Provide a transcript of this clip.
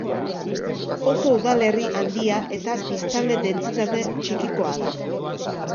Oso udalerri handia eta biztanle-dentsitate txikikoa da.